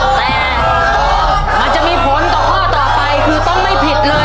แต่มันจะมีผลต่อข้อต่อไปคือต้องไม่ผิดเลย